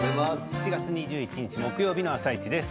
７月２１日木曜日の「あさイチ」です。